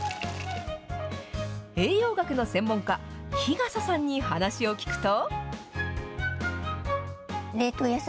栄養学の専門家、日笠さんに話を聞くと。